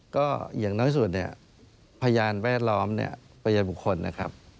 ก็อย่างน้อยสุดเนี่ยพยานแวดล้อมเนี่ยพยานบุคคลนะครับ